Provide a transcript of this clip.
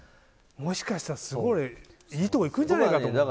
もしかしたら、すごいいいとこいくんじゃないかと思って。